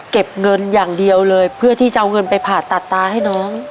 เก็บเงินอย่างเดียวเลยเพื่อที่จะเอาเงินไปผ่าตัดตาให้น้อง